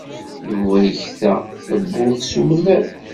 Yuba yekta tawwurt s umellal.